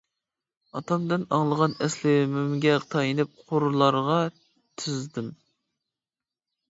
ئاتامدىن ئاڭلىغان ئەسلىمەمگە تايىنىپ قۇرلارغا تىزدىم.